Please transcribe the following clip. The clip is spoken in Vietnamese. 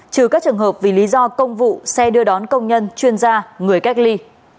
trừ các trường hợp vì lý do công vụ xe đưa đón công nhân chuyên gia người cách ly